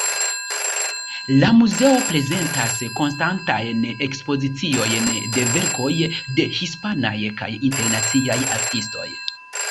La muzeo prezentas konstantajn ekspoziciojn de verkoj de hispanaj kaj internaciaj artistoj.